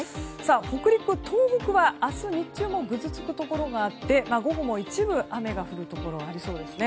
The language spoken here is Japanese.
北陸、東北は明日日中もぐずつくところがあって午後も一部雨が降るところがありそうです。